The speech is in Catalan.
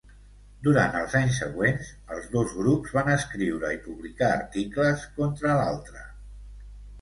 Durant els anys següents, els dos grups van escriure i publicar articles contra l'altre.